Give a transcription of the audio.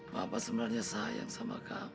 bapak sebenarnya sayang sama kamu